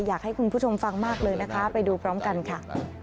อยากให้คุณผู้ชมฟังมากเลยนะคะไปดูพร้อมกันค่ะ